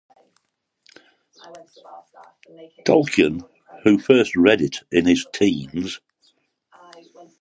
Tolkien, who first read it in his teens.